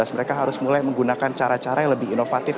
mereka harus mulai menggunakan cara cara yang lebih inovatif